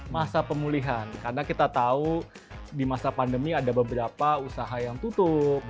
masa pemulihan karena kita tahu di masa pandemi ada beberapa usaha yang tutup